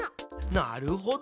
なるほど。